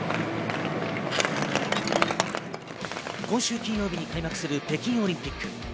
今週金曜日に開幕する北京オリンピック。